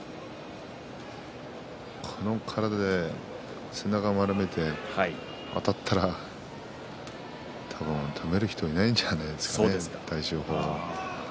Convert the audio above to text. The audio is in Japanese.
この体で背中を丸めてあたったら止められる人はいないんじゃないですか。